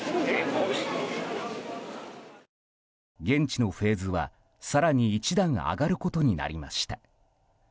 現地のフェーズは更に一段上がることになりました。